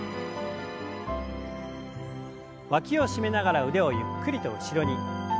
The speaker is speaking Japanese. わきを締めながら腕をゆっくりと後ろに。